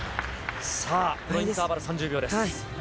インターバル３０秒です。